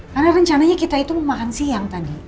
karena rencananya kita itu mau makan siang tadi